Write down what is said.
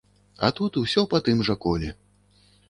А тут усё па тым жа коле.